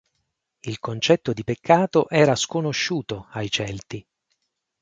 Il concetto di peccato era sconosciuto ai Celti.